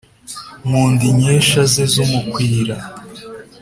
nkunda inkesha ze z’umukwira